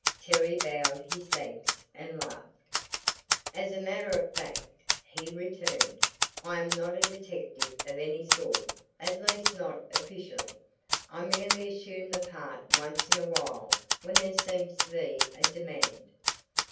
Terry bowed his thanks and laughed. "As a matter of fact," he returned, "I am not a detective of any sort at least not officially. I merely assume the part once in a while when there seems to be a demand.